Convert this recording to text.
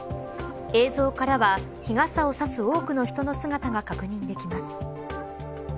映像からは日傘を差す多くの人の姿が確認できます。